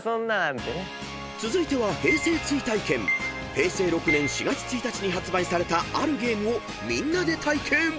［平成６年４月１日に発売されたあるゲームをみんなで体験］